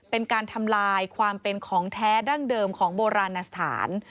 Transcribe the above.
เป็นการทำลายความเป็นของแท้ดั้งเดิมของโบราณสถาน